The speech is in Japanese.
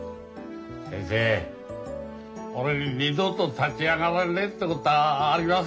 先生俺二度と立ち上がれねえってことはありませんよね？